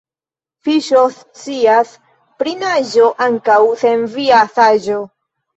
Fiŝo scias pri naĝo ankaŭ sen via saĝo.